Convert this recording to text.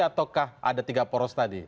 ataukah ada tiga poros tadi